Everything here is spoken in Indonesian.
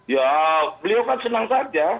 ya beliau kan senang saja